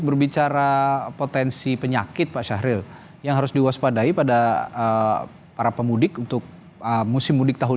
berbicara potensi penyakit pak syahril yang harus diwaspadai pada para pemudik untuk musim mudik tahun